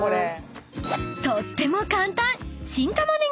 ［とっても簡単！］